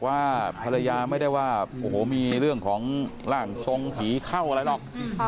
ว่าภรรยาไม่ได้ว่าโอ้โหมีเรื่องของร่างทรงผีเข้าอะไรหรอก